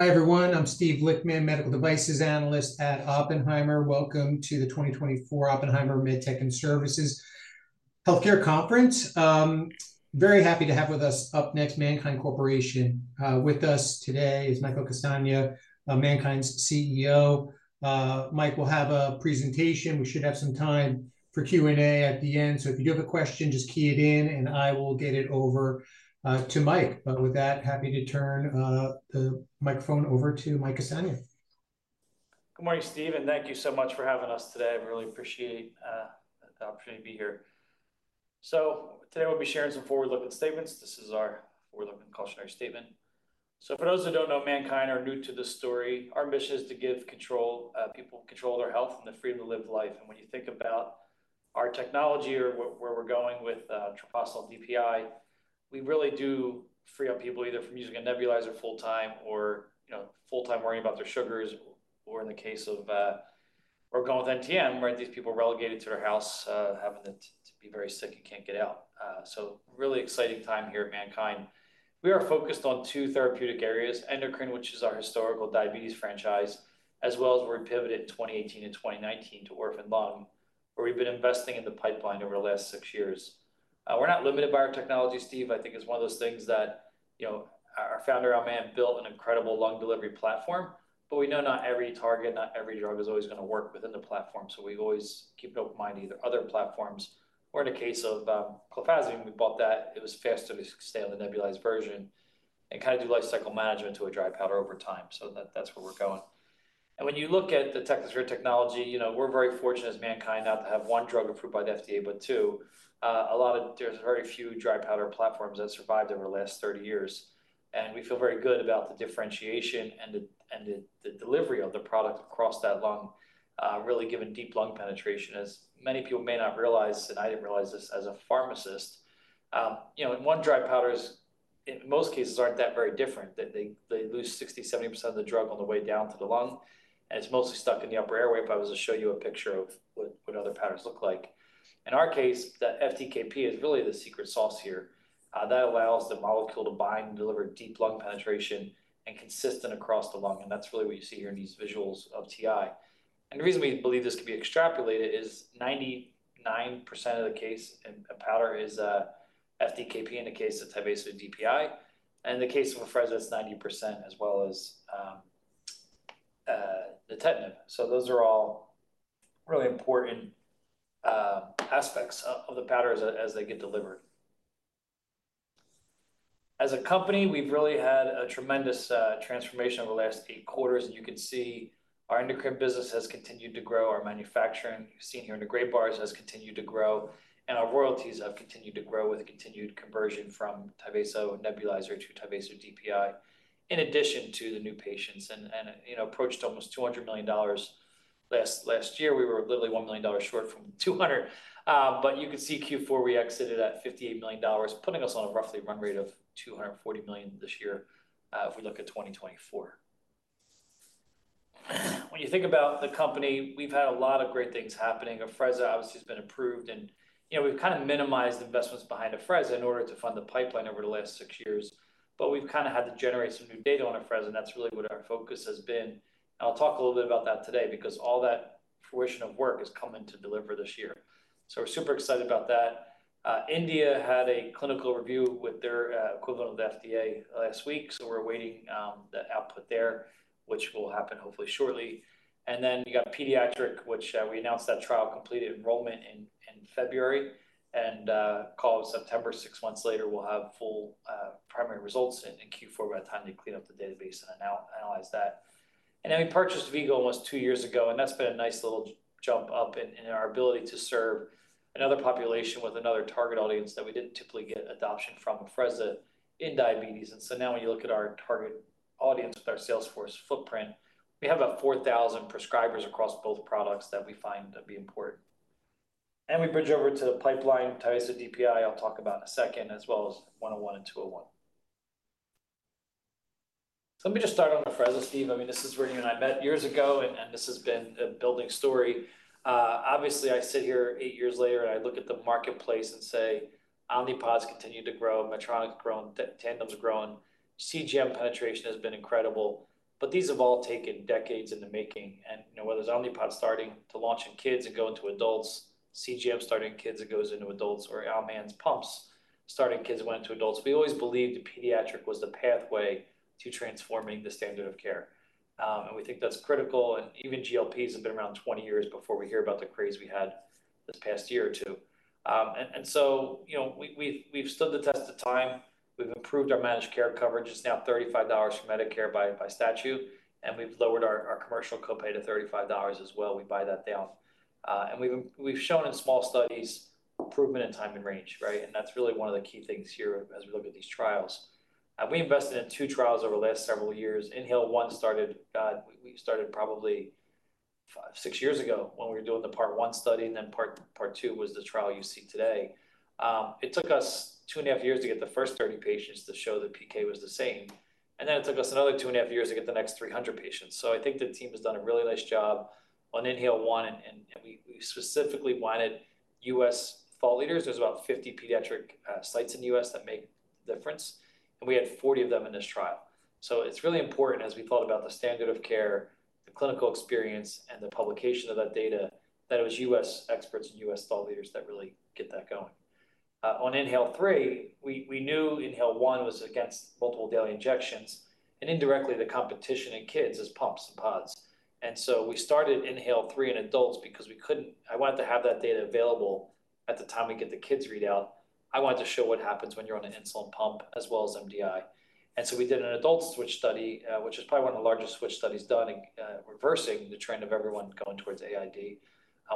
Hi, everyone. I'm Steve Lichtman, Medical Devices Analyst at Oppenheimer. Welcome to the 2024 Oppenheimer Mid-Tech and Services Healthcare Conference. Very happy to have with us. Up next, MannKind Corporation. With us today is Michael Castagna, MannKind's CEO. Mike will have a presentation. We should have some time for Q&A at the end. So if you have a question, just key it in, and I will get it over to Mike. But with that, happy to turn the microphone over to Mike Castagna. Good morning, Steve, and thank you so much for having us today. I really appreciate the opportunity to be here. So today we'll be sharing some forward-looking statements. This is our forward-looking cautionary statement. So for those who don't know, MannKind are new to this story. Our mission is to give control people control their health and the freedom to live life. And when you think about our technology or where we're going with Tyvaso DPI, we really do free up people either from using a nebulizer full-time or, you know, full-time worrying about their sugars, or in the case of or going with NTM, right? These people relegated to their house having to be very sick and can't get out. So really exciting time here at MannKind. We are focused on two therapeutic areas, endocrine, which is our historical diabetes franchise, as well as we're pivoted in 2018 and 2019 to orphan lung, where we've been investing in the pipeline over the last six years. We're not limited by our technology, Steve. I think it's one of those things that, you know, our founder, Al Mann, built an incredible lung delivery platform, but we know not every target, not every drug is always going to work within the platform. So we always keep an open mind, either other platforms or in the case of, clofazimine. We bought that. It was fast to stay on the nebulized version and do lifecycle management to a dry powder over time. So that, that's where we're going. And when you look at the technology, you know, we're very fortunate as MannKind not to have one drug approved by the FDA, but two. There's very few dry powder platforms that survived over the last 30 years, and we feel very good about the differentiation and the delivery of the product across that lung, really giving deep lung penetration, as many people may not realize, and I didn't realize this as a pharmacist. You know, one dry powder is, in most cases, aren't that very different. They lose 60% to 70% of the drug on the way down to the lung, and it's mostly stuck in the upper airway. But if I was to show you a picture of what other powders look like. In our case, the FDKP is really the secret sauce here. That allows the molecule to bind, deliver deep lung penetration, and consistent across the lung, and that's really what you see here in these visuals of TI. And the reason we believe this can be extrapolated is 99% of the case in a powder is FDKP in the case of Tyvaso DPI, and the case of Afrezza, it's 90% as well as the Technosphere. So those are all really important aspects of the powders as they get delivered. As a company, we've really had a tremendous transformation over the last eight quarters, and you can see our endocrine business has continued to grow. Our manufacturing, you've seen here in the gray bars, has continued to grow, and our royalties have continued to grow with continued conversion from Tyvaso nebulizer to Tyvaso DPI, in addition to the new patients and, you know, approached almost $200 million last year. We were literally $1 million short from $200 million. But you can see Q4, we exited at $58 million, putting us on a roughly run rate of $240 million this year, if we look at 2024. When you think about the company, we've had a lot of great things happening. Afrezza, obviously, has been approved, and, you know, we've kind of minimized investments behind Afrezza in order to fund the pipeline over the last six years. But we've kind of had to generate some new data on Afrezza, and that's really what our focus has been. I'll talk a little bit about that today because all that fruition of work is coming to deliver this year. So we're super excited about that. India had a clinical review with their equivalent of FDA last week, so we're awaiting the output there, which will happen hopefully shortly. And then you got pediatric, which we announced that trial completed enrollment in February and call it September, six months later, we'll have full primary results in Q4 by the time they clean up the database and analyze that. And then we purchased V-Go almost two years ago, and that's been a nice little jump up in our ability to serve another population with another target audience that we didn't typically get adoption from Afrezza in diabetes. And so now when you look at our target audience with our sales force footprint, we have about 4,000 prescribers across both products that we find to be important. And we bridge over to the pipeline, Tyvaso DPI, I'll talk about in a second, as well as 101 and 201. So let me just start on Afrezza, Steve. I mean, this is where you and I met years ago, and this has been a building story. Obviously, I sit here eight years later, and I look at the marketplace and say, Omnipods continue to grow, Medtronic's grown, Tandem's grown. CGM penetration has been incredible, but these have all taken decades in the making. And, you know, whether it's Omnipod starting to launch in kids and go into adults, CGM starting in kids and goes into adults, or Al Mann's pumps, starting kids who went into adults. We always believed pediatric was the pathway to transforming the standard of care. And we think that's critical, and even GLPs have been around 20 years before we hear about the craze we had this past year or two. So, you know, we've stood the test of time. We've improved our managed care coverage. It's now $35 for Medicare by statute, and we've lowered our commercial copay to $35 as well. We buy that down. And we've shown in small studies, improvement in time in range, right? That's really one of the key things here as we look at these trials. We invested in 2 trials over the last several years. INHALE-1 started. We started probably five, six years ago when we were doing the part one study, and then part two was the trial you see today. It took us 2.5 years to get the first 30 patients to show that PK was the same, and then it took us another 2.5 years to get the next 300 patients. So I think the team has done a really nice job on INHALE-1, and we specifically wanted U.S. thought leaders. There's about 50 pediatric sites in the U.S. that make a difference, and we had 40 of them in this trial. So it's really important as we thought about the standard of care, the clinical experience and the publication of that data, that it was U.S. experts and U.S. thought leaders that really get that going. On INHALE-3, we knew -was against multiple daily injections, and indirectly, the competition in kids is pumps and pods. And so we started INHALE-3 in adults because we couldn't—I wanted to have that data available at the time we get the kids' readout. I wanted to show what happens when you're on an insulin pump as well as MDI. And so we did an adult switch study, which is probably one of the largest switch studies done in reversing the trend of everyone going towards AID.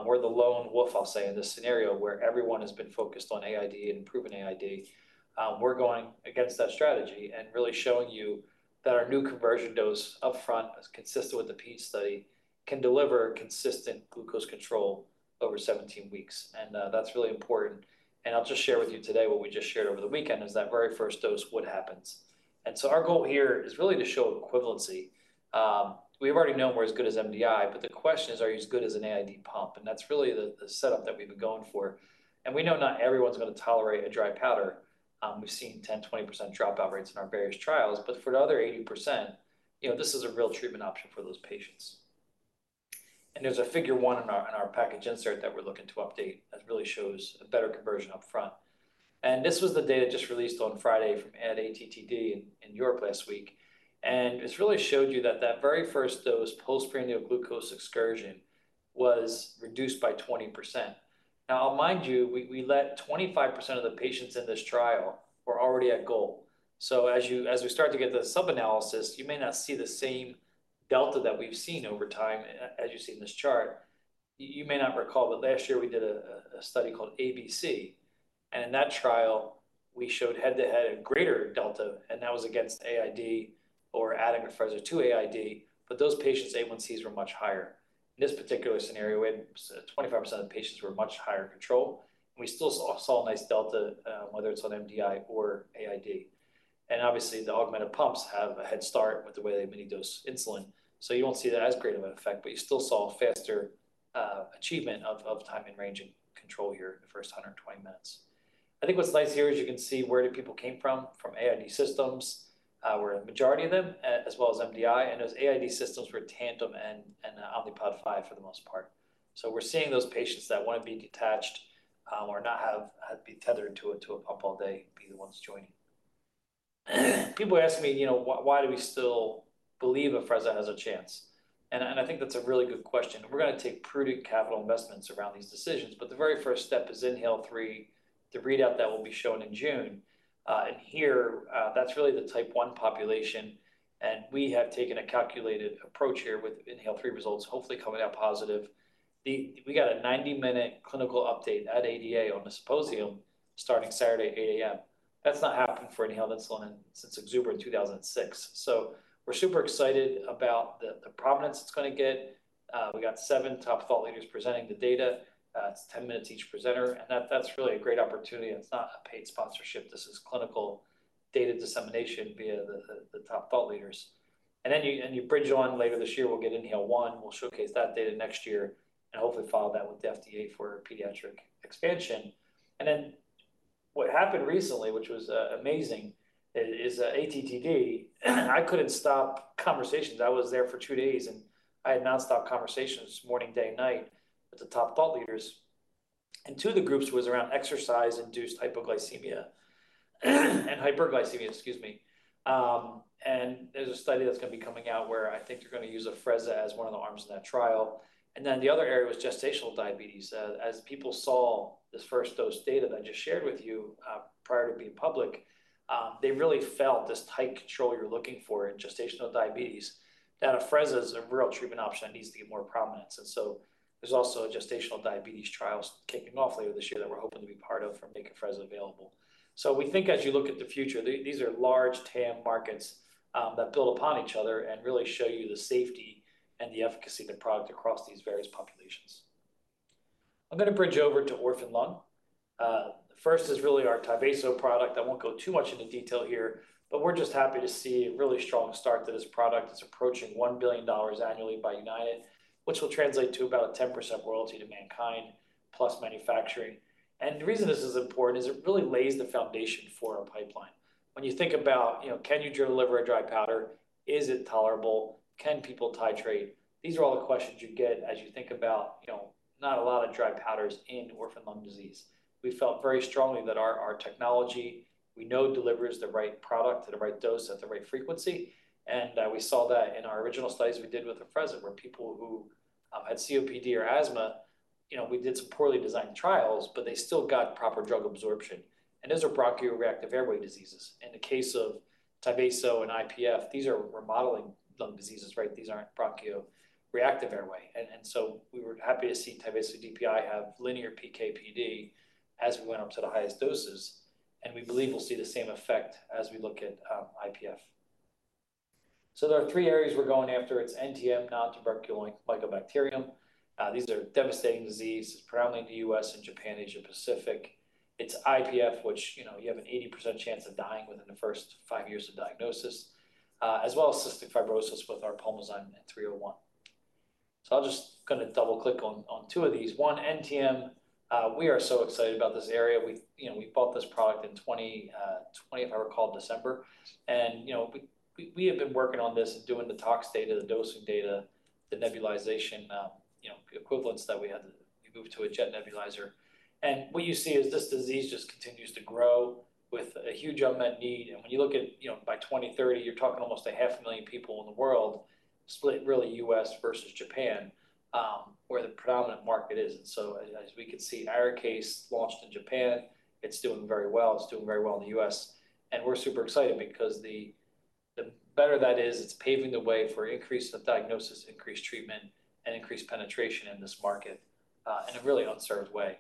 We're the lone wolf, I'll say, in this scenario, where everyone has been focused on AID and proven AID. We're going against that strategy and really showing you that our new conversion dose upfront, as consistent with the PE study, can deliver consistent glucose control over 17 weeks. And that's really important. And I'll just share with you today what we just shared over the weekend, is that very first dose, what happens. And so our goal here is really to show equivalency. We've already known we're as good as MDI, but the question is, are you as good as an AID pump? And that's really the setup that we've been going for. And we know not everyone's gonna tolerate a dry powder. We've seen 10% to 20% dropout rates in our various trials, but for the other 80%, you know, this is a real treatment option for those patients. And there's a figure one in our package insert that we're looking to update that really shows a better conversion up front. And this was the data just released on Friday from ATTD in Europe last week. And this really showed you that the very first dose, postprandial glucose excursion, was reduced by 20%. Now, mind you, we let 25% of the patients in this trial were already at goal. So as we start to get the sub-analysis, you may not see the same delta that we've seen over time as you see in this chart. You may not recall, but last year, we did a study called ABC, and in that trial, we showed head-to-head a greater delta, and that was against AID or adding Afrezza to AID, but those patients' A1Cs were much higher. In this particular scenario, we had 25% of the patients were much higher control, and we still saw a nice delta, whether it's on MDI or AID. And obviously, the augmented pumps have a head start with the way they mini dose insulin, so you won't see that as great of an effect, but you still saw a faster achievement of time in range in control here in the first 120 minutes. I think what's nice here is you can see where people came from, from AID systems were a majority of them, as well as MDI, and those AID systems were Tandem and Omnipod 5 for the most part. So we're seeing those patients that wanna be detached, or not have to be tethered to a pump all day, be the ones joining. People ask me, "You know, why, why do we still believe Afrezza has a chance?" And I think that's a really good question. We're gonna take prudent capital investments around these decisions, but the very first step is INHALE-3, the readout that will be shown in June. And here, that's really the type 1 population, and we have taken a calculated approach here with INHALE-3 results, hopefully coming out positive. We got a 90-minute clinical update at ADA on the symposium starting Saturday, 8 A.M. That's not happening for inhaled insulin since Exubera in 2006. So we're super excited about the prominence it's gonna get. We got seven top thought leaders presenting the data. It's 10 minutes each presenter, and that's really a great opportunity. It's not a paid sponsorship. This is clinical data dissemination via the top thought leaders. And then you bridge on later this year, we'll get INHALE-1. We'll showcase that data next year and hopefully file that with the FDA for pediatric expansion. And then what happened recently, which was amazing, is ATTD. I couldn't stop conversations. I was there for two days, and I had nonstop conversations morning, day, night with the top thought leaders. And two of the groups was around exercise-induced hypoglycemia and hyperglycemia, excuse me. And there's a study that's gonna be coming out where I think they're gonna use Afrezza as one of the arms in that trial. And then the other area was gestational diabetes. As people saw this first dose data that I just shared with you, prior to being public, they really felt this tight control you're looking for in gestational diabetes, that Afrezza is a real treatment option that needs to get more prominence. And so there's also a gestational diabetes trials kicking off later this year that we're hoping to be part of for making Afrezza available. So we think as you look at the future, these are large TAM markets, that build upon each other and really show you the safety and the efficacy of the product across these various populations. I'm gonna bridge over to Orphan Lung. First is really our Tyvaso product. I won't go too much into detail here, but we're just happy to see a really strong start to this product. It's approaching $1 billion annually by United, which will translate to about a 10% royalty to MannKind, plus manufacturing. The reason this is important is it really lays the foundation for our pipeline. When you think about, you know, can you deliver a dry powder? Is it tolerable? Can people titrate? These are all the questions you get as you think about, you know, not a lot of dry powders in orphan lung disease. We felt very strongly that our, our technology, we know, delivers the right product at the right dose, at the right frequency. And we saw that in our original studies we did with Afrezza, where people who had COPD or asthma, you know, we did some poorly designed trials, but they still got proper drug absorption. Those are bronchoreactive airway diseases. In the case of Tyvaso and IPF, these are remodeling lung diseases, right? These aren't bronchoreactive airway. And so we were happy to see Tyvaso DPI have linear PK/PD as we went up to the highest doses, and we believe we'll see the same effect as we look at IPF. So there are three areas we're going after. It's NTM, nontuberculous mycobacterium. These are devastating disease. It's prevalent in the U.S. and Japan, Asia-Pacific. It's IPF, which, you know, you have an 80% chance of dying within the first five years of diagnosis, as well as cystic fibrosis with our poloxamine 301. So I'm just gonna double-click on two of these. One, NTM, we are so excited about this area. We, you know, we bought this product in 2020, if I recall, December. You know, we have been working on this and doing the tox data, the dosing data, the nebulization, you know, equivalents that we had to, we moved to a jet nebulizer. What you see is this disease just continues to grow with a huge unmet need. When you look at, you know, by 2030, you're talking almost 500,000 people in the world, split really U.S. versus Japan, where the predominant market is. So as we can see, in our case, launched in Japan, it's doing very well. It's doing very well in the U.S., and we're super excited because the better that is, it's paving the way for increased diagnosis, increased treatment, and increased penetration in this market, in a really unserved way.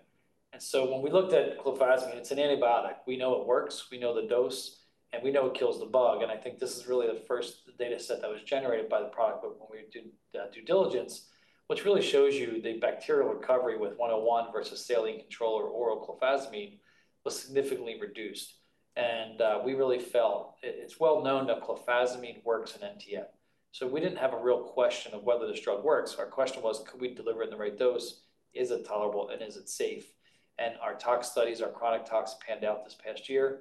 So when we looked at clofazimine, it's an antibiotic. We know it works, we know the dose, and we know it kills the bug, and I think this is really the first dataset that was generated by the product. But when we do due diligence, which really shows you the bacterial recovery with 101 versus saline control or oral clofazimine, was significantly reduced. And we really felt, it's well known that clofazimine works in NTM. So we didn't have a real question of whether this drug works. Our question was: Could we deliver it in the right dose? Is it tolerable, and is it safe? And our tox studies, our chronic tox, panned out this past year.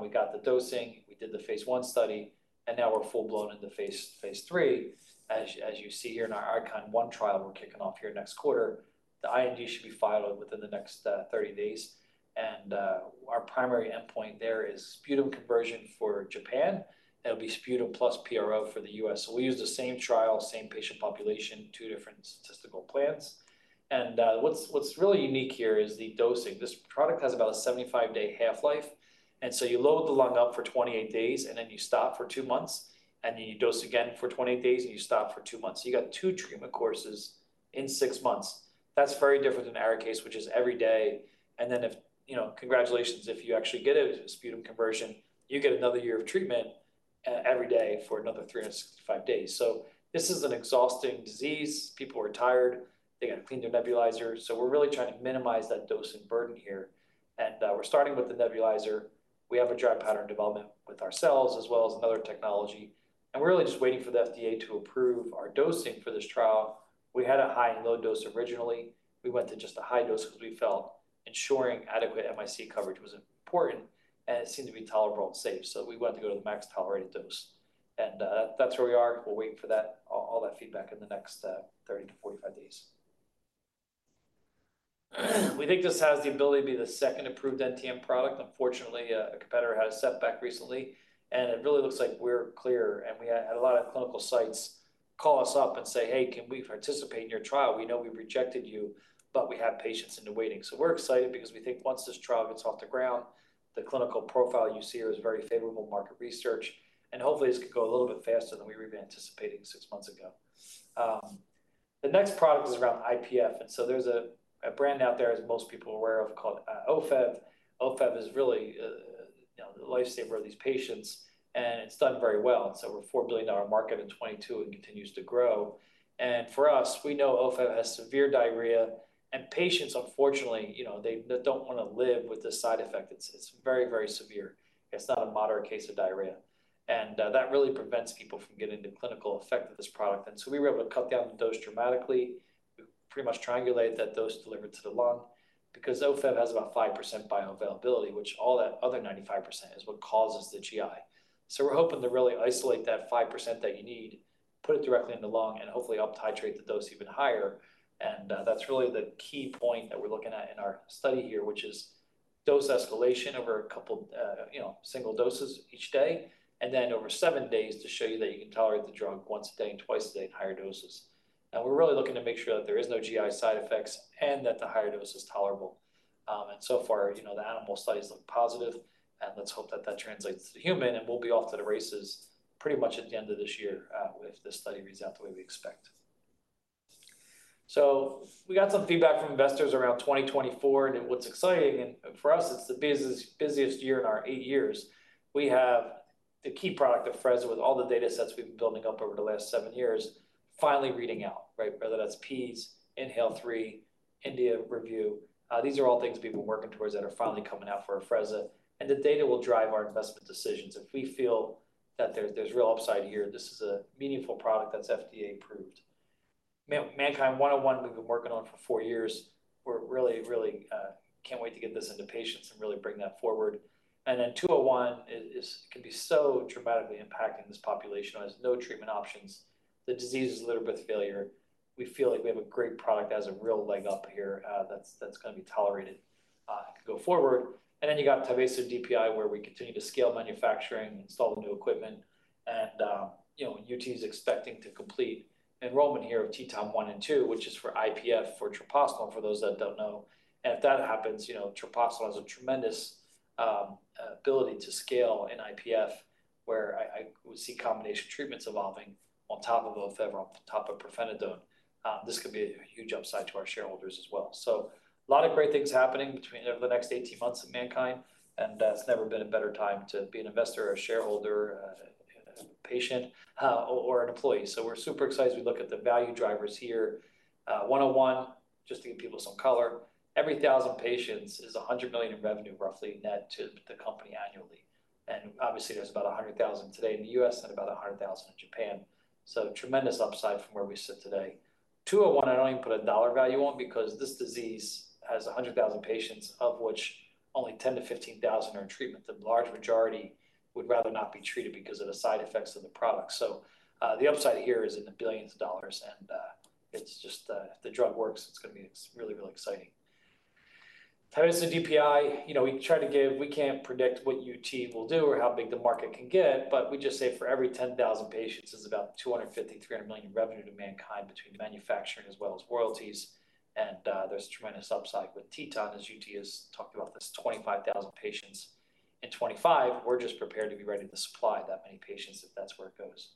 We got the dosing, we did the phase I study, and now we're full-blown into phase III. As you see here in our ICON1 trial, we're kicking off here next quarter. The IND should be filed within the next 30 days, and our primary endpoint there is sputum conversion for Japan. It'll be sputum plus PRO for the U.S. So we use the same trial, same patient population, two different statistical plans. And what's really unique here is the dosing. This product has about a 75-day half-life, and so you load the lung up for 28 days, and then you stop for two months, and then you dose again for 28 days, and you stop for two months. You got two treatment courses in six months. That's very different in our case, which is every day, and then if, you know, congratulations, if you actually get a sputum conversion, you get another year of treatment every day for another 365 days. So this is an exhausting disease. People are tired. They gotta clean their nebulizer. So we're really trying to minimize that dosing burden here, and we're starting with the nebulizer. We have a dry powder development with ourselves as well as other technology, and we're really just waiting for the FDA to approve our dosing for this trial. We had a high and low dose originally. We went to just a high dose because we felt ensuring adequate MIC coverage was important, and it seemed to be tolerable and safe. So we went to go to the max tolerated dose, and that's where we are. We're waiting for that, all that feedback in the next 30 to 45 days. We think this has the ability to be the second approved NTM product. Unfortunately, a competitor had a setback recently, and it really looks like we're clear. We had a lot of clinical sites call us up and say, "Hey, can we participate in your trial? We know we've rejected you, but we have patients in the waiting." We're excited because we think once this trial gets off the ground, the clinical profile you see here is very favorable market research, and hopefully, this could go a little bit faster than we were anticipating six months ago. The next product is around IPF, and so there's a brand out there, as most people are aware of, called Ofev. Ofev is really, you know, the lifesaver of these patients, and it's done very well. We're a $4 billion market in 2022 and continues to grow. And for us, we know Ofev has severe diarrhea, and patients, unfortunately, you know, they don't wanna live with this side effect. It's very, very severe. It's not a moderate case of diarrhea. And that really prevents people from getting the clinical effect of this product. And so we were able to cut down the dose dramatically, pretty much triangulate that dose delivered to the lung, because Ofev has about 5% bioavailability, which all that other 95% is what causes the GI. So we're hoping to really isolate that 5% that you need, put it directly in the lung, and hopefully help titrate the dose even higher, and that's really the key point that we're looking at in our study here, which is dose escalation over a couple, you know, single doses each day, and then over seven days to show you that you can tolerate the drug once a day and twice a day in higher doses. We're really looking to make sure that there is no GI side effects and that the higher dose is tolerable. And so far, you know, the animal studies look positive, and let's hope that that translates to human, and we'll be off to the races pretty much at the end of this year, if this study reads out the way we expect. So we got some feedback from investors around 2024, and what's exciting, and for us, it's the busiest, busiest year in our eight years. We have the key product of Afrezza with all the datasets we've been building up over the last seven years, finally reading out, right? Whether that's peds, INHALE-3, India review, these are all things we've been working towards that are finally coming out for Afrezza, and the data will drive our investment decisions. If we feel that there's real upside here, this is a meaningful product that's FDA approved. MannKind 101, we've been working on for four years. We're really, really can't wait to get this into patients and really bring that forward. And then 201 is, can be so dramatically impacting this population who has no treatment options. The disease is liver with failure. We feel like we have a great product that has a real leg up here, that's gonna be tolerated, go forward. And then you got Tyvaso DPI, where we continue to scale manufacturing, install the new equipment, and, you know, UT is expecting to complete enrollment here of TETON-1 and 2, which is for IPF, for treprostinil, for those that don't know. If that happens, you know, treprostinil has a tremendous ability to scale in IPF, where I would see combination treatments evolving on top of Ofev, on top of nintedanib. This could be a huge upside to our shareholders as well. So a lot of great things happening over the next 18 months at MannKind, and that's never been a better time to be an investor, a shareholder, a patient, or an employee. So we're super excited. We look at the value drivers here, 101, just to give people some color, every 1,000 patients is $100 million in revenue, roughly net to the company annually. And obviously, there's about 100,000 today in the U.S. and about 100,000 in Japan. So tremendous upside from where we sit today. 201, I don't even put a dollar value on, because this disease has 100,000 patients, of which only 10,000-15,000 are in treatment. The large majority would rather not be treated because of the side effects of the product. So, the upside here is in the billions of dollars, and, it's just, if the drug works, it's gonna be, it's really, really exciting. In terms of DPI, you know, we try to give we can't predict what UT will do or how big the market can get, but we just say for every 10,000 patients, it's about $250 million to $300 million in revenue to MannKind between manufacturing as well as royalties. And, there's a tremendous upside with Tyvaso, as UT has talked about this, 25,000 patients. In 2025, we're just prepared to be ready to supply that many patients if that's where it goes.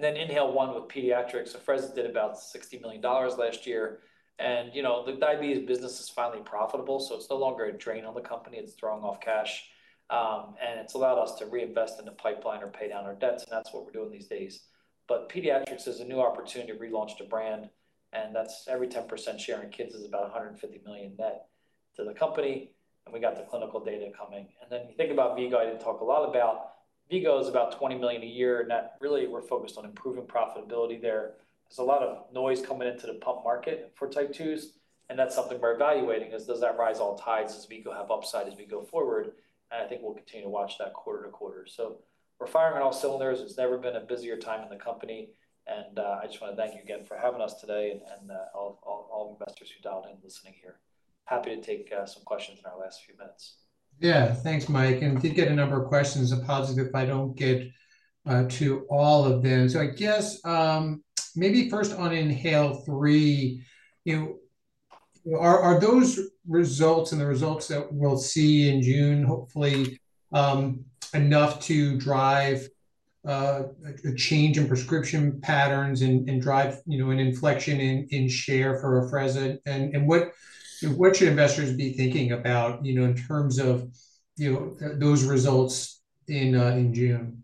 Then INHALE-1 with pediatrics. So Afrezza did about $60 million last year, and, you know, the diabetes business is finally profitable, so it's no longer a drain on the company. It's throwing off cash, and it's allowed us to reinvest in the pipeline or pay down our debts, and that's what we're doing these days. But pediatrics is a new opportunity to relaunch the brand, and that's every 10% share in kids is about $150 million net to the company, and we got the clinical data coming. And then, you think about V-Go, I didn't talk a lot about. V-Go is about $20 million a year, net. Really, we're focused on improving profitability there. There's a lot of noise coming into the pump market for type twos, and that's something we're evaluating, is does that rise all tides as V-Go have upside as we go forward? And I think we'll continue to watch that quarter to quarter. So we're firing on all cylinders. It's never been a busier time in the company, and, I just wanna thank you again for having us today and, all, investors who dialed in listening here. Happy to take, some questions in our last few minutes. Yeah, thanks, Mike. And we did get a number of questions. Apologies if I don't get to all of them. So I guess maybe first on INHALE-3, you know, are those results and the results that we'll see in June, hopefully, enough to drive a change in prescription patterns and drive, you know, an inflection in share for Afrezza? And what—so what should investors be thinking about, you know, in terms of those results in June?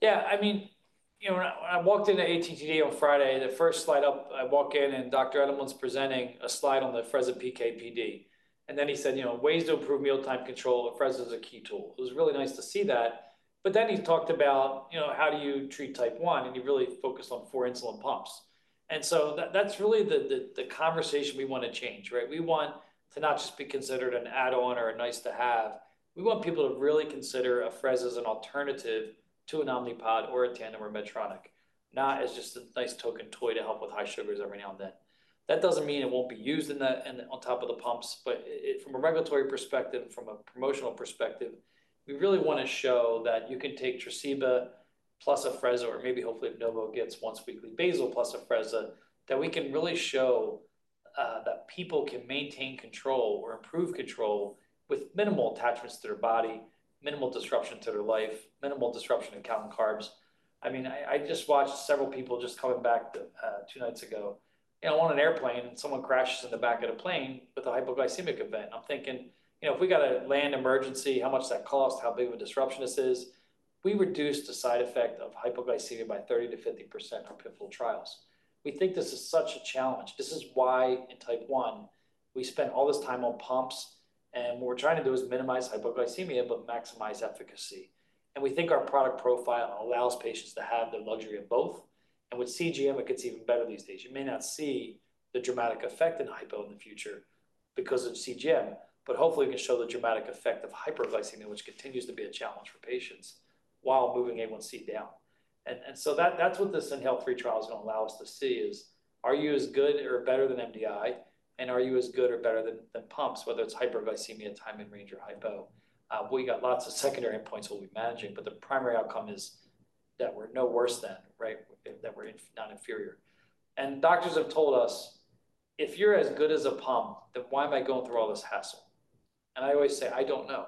Yeah, I mean, you know, when I walked into ATTD on Friday, the first slide up, I walk in and, Dr. Edelman's presenting a slide on the Afrezza PK/PD. And then he said, "You know, ways to improve mealtime control, Afrezza is a key tool." It was really nice to see that. But then he talked about, you know, how do you treat type one, and he really focused on 4 insulin pumps. And so that's really the conversation we wanna change, right? We want to not just be considered an add-on or a nice to have, we want people to really consider Afrezza as an alternative to an Omnipod or a Tandem or Medtronic, not as just a nice token toy to help with high sugars every now and then. That doesn't mean it won't be used in that, and on top of the pumps, but from a regulatory perspective, from a promotional perspective, we really wanna show that you can take Tresiba plus Afrezza, or maybe hopefully, Novo gets once-weekly basal plus Afrezza, that we can really show that people can maintain control or improve control with minimal attachments to their body, minimal disruption to their life, minimal disruption in counting carbs. I mean, I just watched several people just coming back two nights ago. You know, on an airplane, someone crashes in the back of the plane with a hypoglycemic event. I'm thinking, you know, if we got a land emergency, how much does that cost? How big of a disruption this is? We reduced the side effect of hypoglycemia by 30% to 50% from pivotal trials. We think this is such a challenge. This is why in type 1, we spend all this time on pumps, and what we're trying to do is minimize hypoglycemia but maximize efficacy. And we think our product profile allows patients to have the luxury of both. And with CGM, it gets even better these days. You may not see the dramatic effect in hypo in the future because of CGM, but hopefully, we can show the dramatic effect of hyperglycemia, which continues to be a challenge for patients while moving A1C down. And, and so that, that's what this INHALE3 trial is gonna allow us to see, is, are you as good or better than MDI? And are you as good or better than, than pumps, whether it's hyperglycemia, time in range, or hypo? We got lots of secondary endpoints we'll be managing, but the primary outcome is that we're no worse than, right? That we're non-inferior. And doctors have told us, "If you're as good as a pump, then why am I going through all this hassle?" And I always say, "I don't know."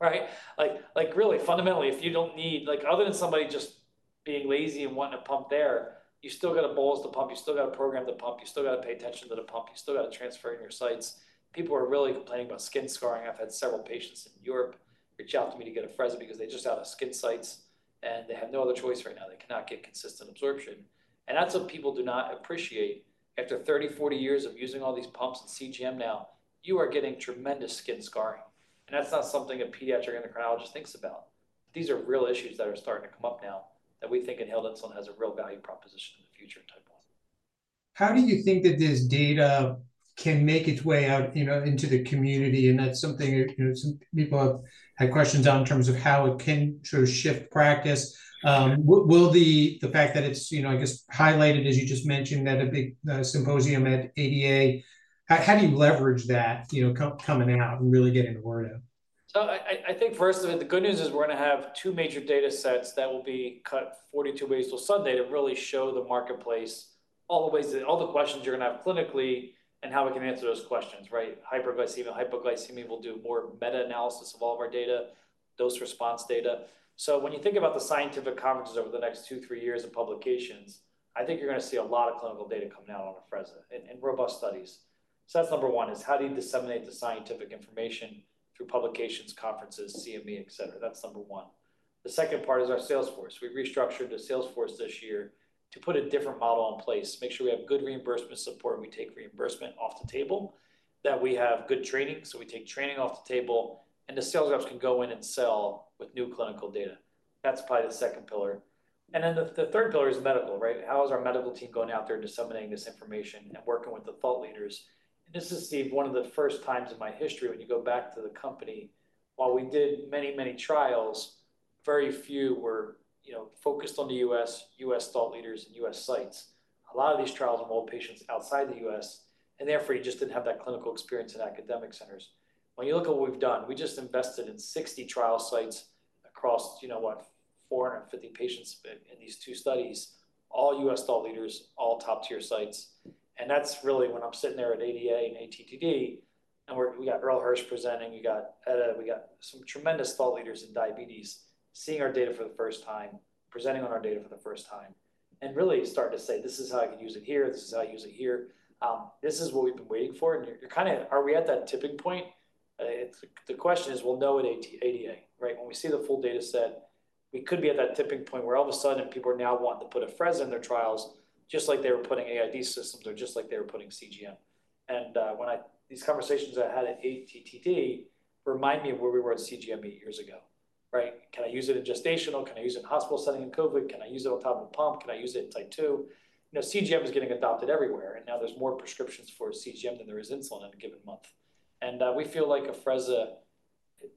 Right? Like, like, really, fundamentally, if you don't need-- like, other than somebody just being lazy and wanting to pump there, you still got to bolus the pump, you still got to program the pump, you still got to pay attention to the pump, you still got to transfer in your sites. People are really complaining about skin scarring. I've had several patients in Europe reach out to me to get Afrezza because they're just out of skin sites, and they have no other choice right now. They cannot get consistent absorption. That's what people do not appreciate. After 30, 40 years of using all these pumps and CGM now, you are getting tremendous skin scarring, and that's not something a pediatric endocrinologist thinks about. These are real issues that are starting to come up now, that we think inhaled insulin has a real value proposition in the future in type 1. How do you think that this data can make its way out, you know, into the community? And that's something, you know, some people have had questions on in terms of how it can sort of shift practice. Will the, the fact that it's, you know, I guess, highlighted, as you just mentioned, that a big symposium at ADA, how, how do you leverage that, you know, coming out and really getting the word out? So I think first, the good news is we're gonna have two major data sets that will be cut 42 ways till Sunday to really show the marketplace all the ways, all the questions you're gonna have clinically and how we can answer those questions, right? Hyperglycemia, hypoglycemia, we'll do more meta-analysis of all of our data, dose-response data. So when you think about the scientific conferences over the next two, three years of publications, I think you're gonna see a lot of clinical data coming out on Afrezza in robust studies.... So that's number one, is how do you disseminate the scientific information through publications, conferences, CME, et cetera? That's number one. The second part is our sales force. We restructured the sales force this year to put a different model in place, make sure we have good reimbursement support, we take reimbursement off the table, that we have good training, so we take training off the table, and the sales reps can go in and sell with new clinical data. That's probably the second pillar. And then the third pillar is medical, right? How is our medical team going out there and disseminating this information and working with the thought leaders? And this is, Steve, one of the first times in my history, when you go back to the company, while we did many, many trials, very few were, you know, focused on the U.S., U.S. thought leaders and U.S. sites. A lot of these trials enrolled patients outside the U.S., and therefore, you just didn't have that clinical experience in academic centers. When you look at what we've done, we just invested in 60 trial sites across, you know what? 450 patients in these two studies, all U.S. thought leaders, all top-tier sites. And that's really when I'm sitting there at ADA and ATTD, and we got Earl Hirsch presenting, you got EDA, we got some tremendous thought leaders in diabetes seeing our data for the first time, presenting on our data for the first time, and really starting to say, "This is how I can use it here. This is how I use it here. This is what we've been waiting for." And you're, kind of, are we at that tipping point? The question is, we'll know at ATTD-ADA, right? When we see the full data set, we could be at that tipping point where all of a sudden people are now wanting to put Afrezza in their trials, just like they were putting AID systems or just like they were putting CGM. And, these conversations I had at ATTD remind me of where we were at CGM eight years ago, right? Can I use it in gestational? Can I use it in hospital setting in COVID? Can I use it on top of the pump? Can I use it in type two? You know, CGM is getting adopted everywhere, and now there's more prescriptions for CGM than there is insulin in a given month. And, we feel like Afrezza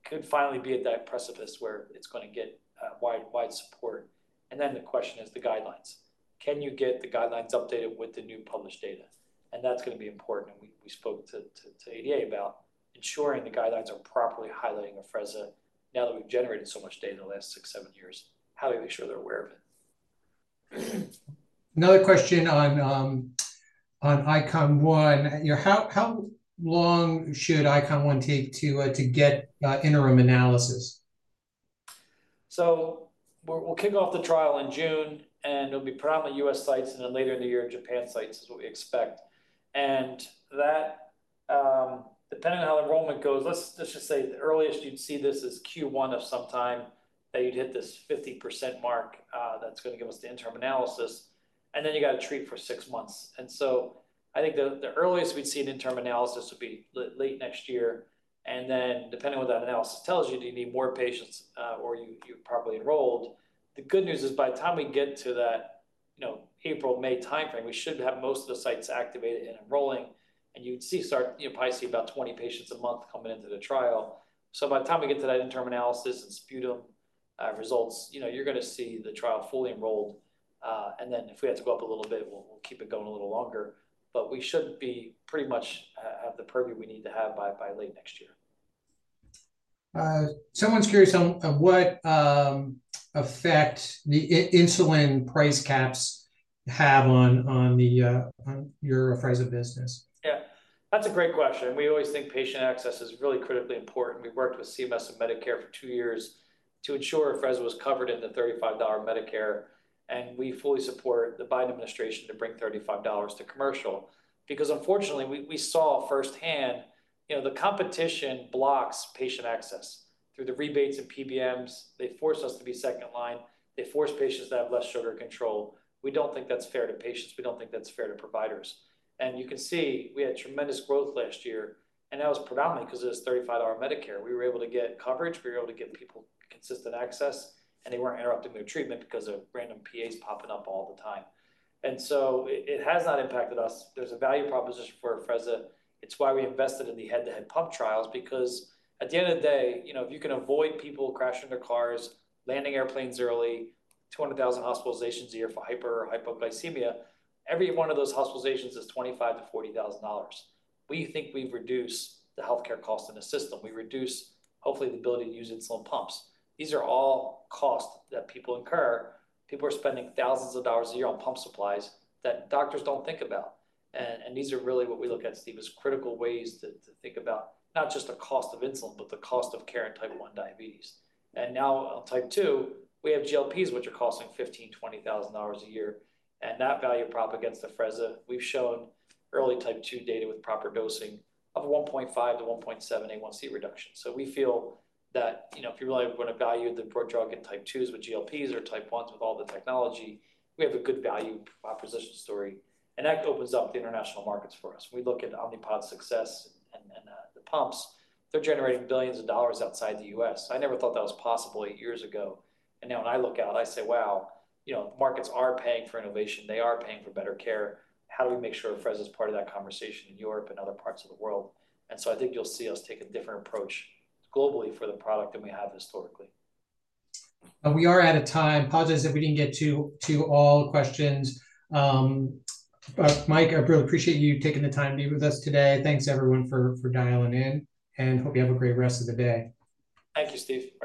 could finally be at that precipice where it's gonna get, wide, wide support. And then the question is the guidelines. Can you get the guidelines updated with the new published data? That's gonna be important. We spoke to ADA about ensuring the guidelines are properly highlighting Afrezza. Now that we've generated so much data in the last six t seven years, how do we make sure they're aware of it? Another question on ICON1. How long should iCON1 take to get interim analysis? So we'll kick off the trial in June, and it'll be predominantly U.S. sites, and then later in the year, Japan sites is what we expect. And that, depending on how the enrollment goes, let's just say the earliest you'd see this is Q1 of some time, that you'd hit this 50% mark, that's gonna give us the interim analysis, and then you got to treat for six months. And so I think the earliest we'd see an interim analysis would be late next year, and then depending on what that analysis tells you, do you need more patients, or you're properly enrolled. The good news is by the time we get to that, you know, April, May timeframe, we should have most of the sites activated and enrolling, and you'd see start, you know, probably see about 20 patients a month coming into the trial. So by the time we get to that interim analysis and sputum results, you know, you're gonna see the trial fully enrolled. And then if we had to go up a little bit, we'll keep it going a little longer, but we should be pretty much at the purview we need to have by late next year. Someone's curious on what effect the insulin price caps have on your Afrezza business. Yeah, that's a great question. We always think patient access is really critically important. We've worked with CMS and Medicare for two years to ensure Afrezza was covered in the $35 Medicare, and we fully support the Biden administration to bring $35 to commercial. Because unfortunately, we saw firsthand, you know, the competition blocks patient access through the rebates and PBMs. They force us to be second line. They force patients to have less sugar control. We don't think that's fair to patients, we don't think that's fair to providers. And you can see we had tremendous growth last year, and that was predominantly because of this $35 Medicare. We were able to get coverage, we were able to get people consistent access, and they weren't interrupting their treatment because of random PAs popping up all the time. And so it has not impacted us. There's a value proposition for Afrezza. It's why we invested in the head-to-head pump trials, because at the end of the day, you know, if you can avoid people crashing their cars, landing airplanes early, 200,000 hospitalizations a year for hypo- or hyperglycemia, every one of those hospitalizations is $25,000 to $40,000. We think we reduce the healthcare cost in the system. We reduce, hopefully, the ability to use insulin pumps. These are all costs that people incur. People are spending thousands of dollars a year on pump supplies that doctors don't think about. And these are really what we look at, Steve, as critical ways to think about not just the cost of insulin, but the cost of care in type 1 diabetes. And now on type 2, we have GLPs, which are costing $15,000 to $20,000 a year, and that value prop against Afrezza, we've shown early type 2 data with proper dosing of 1.5-1.7 A1C reduction. So we feel that, you know, if you really want to value the product in type 2s with GLPs or type 1s with all the technology, we have a good value proposition story, and that opens up the international markets for us. We look at Omnipod's success and the pumps, they're generating billions of dollars outside the U.S. I never thought that was possible eight years ago, and now when I look out, I say: "Wow, you know, markets are paying for innovation, they are paying for better care. How do we make sure Afrezza is part of that conversation in Europe and other parts of the world?" And so I think you'll see us take a different approach globally for the product than we have historically. We are out of time. I apologize if we didn't get to all questions. But, Mike, I really appreciate you taking the time to be with us today. Thanks, everyone, for dialing in, and I hope you have a great rest of the day. Thank you, Steve. Appreciate it.